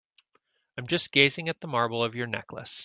I'm just gazing at the marble of your necklace.